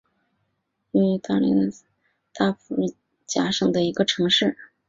曼弗雷多尼亚是位于义大利南部普利亚大区福贾省的一个城市。